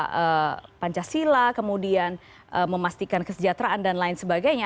menjaga pancasila kemudian memastikan kesejahteraan dan lain sebagainya